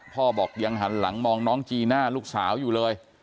พ่อบอกยังหันหลังมองน้องจีน่าลูกสาวอยู่เลย